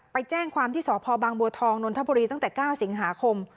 ไปแจ้งความที่สพบางบัวทองนนทบุรีตั้งแต่๙สิงหาคม